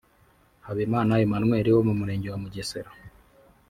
Habineza Emmanuel wo mu murenge wa Mugesera